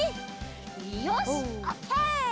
よしオッケー！